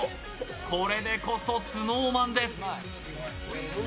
これでこそＳｎｏｗＭａｎです。